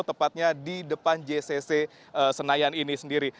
tepatnya di depan jcc senayan ini sendiri